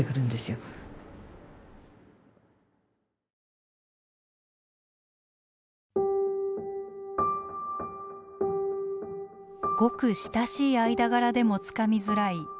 ごく親しい間柄でもつかみづらい自殺の兆候。